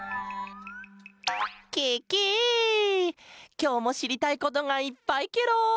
きょうもしりたいことがいっぱいケロ！